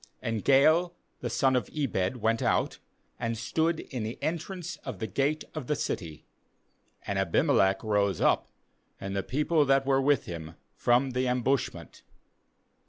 35And Gaal the son of Ebed went out, and stood in the entrance of the gate of the city; and Abimelech rose up, and the people that were with him, from the ambushment.